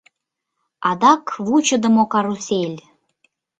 — Адак вучыдымо карусель!